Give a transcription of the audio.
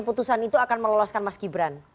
keputusan itu akan meloloskan mas gibran